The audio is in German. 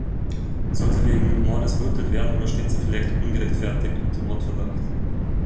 Soll sie wegen Mordes verurteilt werden oder steht sie vielleicht ungerechtfertigt unter Mordverdacht?